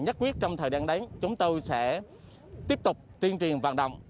nhắc quyết trong thời đoạn đấy chúng tôi sẽ tiếp tục tuyên truyền vạn động